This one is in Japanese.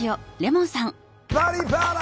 「バリバラ」！